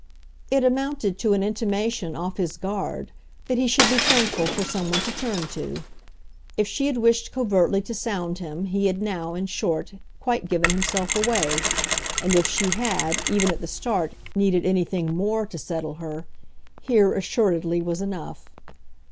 It amounted to an intimation, off his guard, that he should be thankful for some one to turn to. If she had wished covertly to sound him he had now, in short, quite given himself away, and if she had, even at the start, needed anything MORE to settle her, here assuredly was enough.